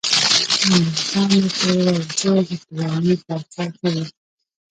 مومن خان ورته وویل زه د پلانې باچا زوی یم.